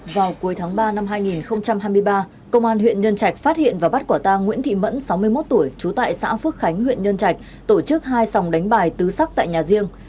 vào cuối tháng ba năm hai nghìn hai mươi ba công an huyện nhân trạch phát hiện và bắt quả tang nguyễn thị mẫn sáu mươi một tuổi trú tại xã phước khánh huyện nhân trạch tổ chức hai sòng đánh bài tứ sắc tại nhà riêng